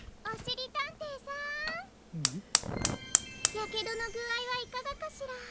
やけどのぐあいはいかがかしら？